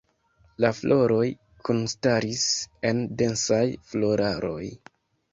La floroj kunstaris en densaj floraroj.